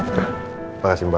terima kasih mbak